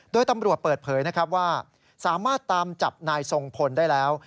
โดยตำรวจเปิดเผยนะครับว่าสามารถตามจับนายทรงพลได้แล้ว